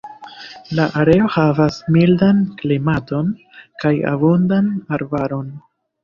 La areo havas mildan klimaton kaj abundan arbaron.